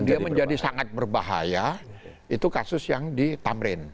dia menjadi sangat berbahaya itu kasus yang di tamrin